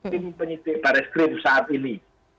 tim penyidik baris krim saat ini